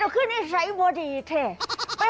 ก็คือบอกด้วย